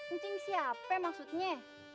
encing siapa maksudnya